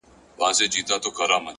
پوهه د امکاناتو نړۍ پراخوي،